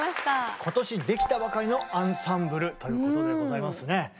今年できたばかりのアンサンブルということでございますね。